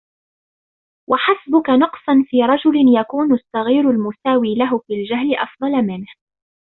وَحَسْبُك نَقْصًا فِي رَجُلٍ يَكُونُ الصَّغِيرُ الْمُسَاوِي لَهُ فِي الْجَهْلِ أَفْضَلَ مِنْهُ